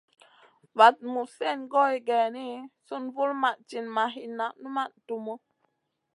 Vaɗ muzn slèn goy geyni, sùn vulmaʼ tinʼ ma hinna, numaʼ tumu.